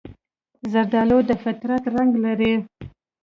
زردالو د فطرت رنګ لري.